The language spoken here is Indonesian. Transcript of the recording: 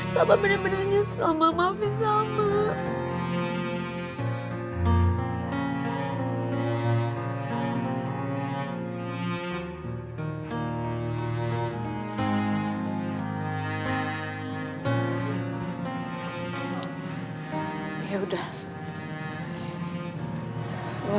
sama bener bener nyesel ma maafin sama